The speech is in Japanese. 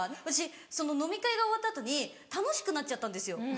私その飲み会が終わった後に楽しくなっちゃったんですよ。